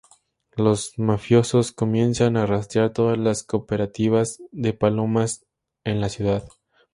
Los mafiosos comienzan a rastrear todas las cooperativas de palomas en la ciudad.